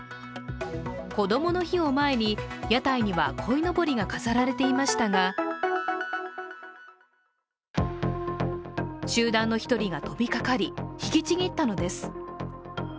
こどもの日を前に屋台にはこいのぼりが飾られていましたが集団の１人が飛びかかり引きちぎったのです。